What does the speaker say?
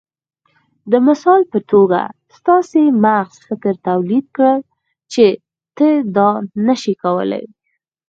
د مثال په توګه ستاسې مغز فکر توليد کړ چې ته دا نشې کولای.